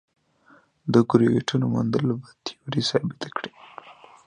د ګرویټونو موندل به تیوري ثابته کړي.